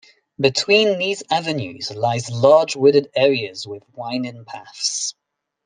Between these avenues lies large wooded areas with winding paths.